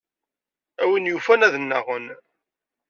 A win yufan ad nnaɣen.